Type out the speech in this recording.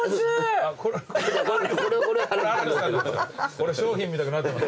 これ商品みたくなってます。